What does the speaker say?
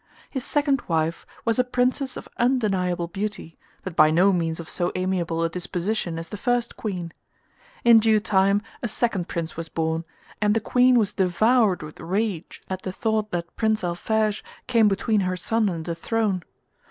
His second wife was a Princess of undeniable beauty, but by no means of so amiable a disposition as the first Queen. In due time a second Prince was born, and the Queen was devoured with rage at the thought that Prince Alphege came between her son and the throne.